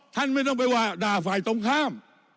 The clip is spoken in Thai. ท่านไม่ต้องไปว่าด่าฝ่ายตรงข้าม